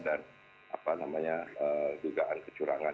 dan dugaan kecurangan